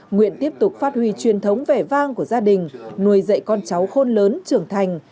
nguyện tiếp tục phát huy truyền thống vẻ vang của gia đình nuôi dạy con cháu khôn lớn trưởng thành